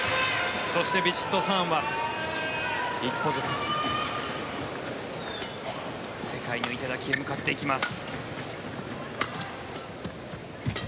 そしてヴィチットサーンは１歩ずつ世界の頂へ向かっていきます。